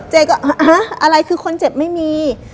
เจ๊ก็อะไรคือคนเจ็บไม่มี